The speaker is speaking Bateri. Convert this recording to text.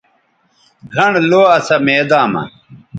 گھنڑ لو اسا میداں مہ